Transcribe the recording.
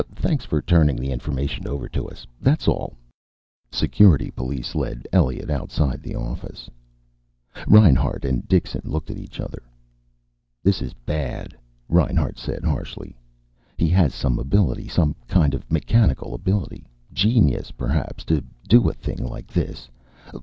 Thanks for turning the information over to us. That's all." Security police led Elliot outside the office. Reinhart and Dixon looked at each other. "This is bad," Reinhart said harshly. "He has some ability, some kind of mechanical ability. Genius, perhaps, to do a thing like this.